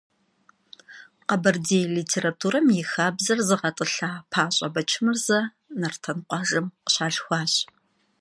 Kheberdêy litêraturam yi lhabjer zığet'ılha Paş'e Beçmırze Nartan khuajjem khışalhxuaş.